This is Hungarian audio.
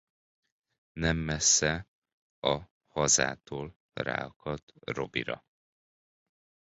Nem messze a házától ráakad Robbie-ra.